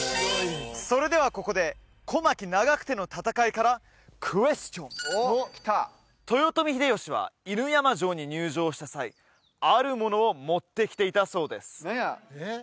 それではここで小牧・長久手の戦いからクエスチョン豊臣秀吉は犬山城に入城した際あるものを持ってきていたそうです